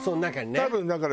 多分だから。